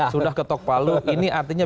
sudah ketok palu ini artinya